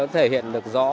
thể hiện được rõ